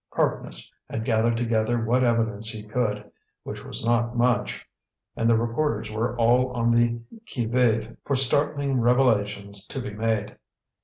Harkness had gathered together what evidence he could, which was not much, and the reporters were all on the qui vive for startling revelations to be made.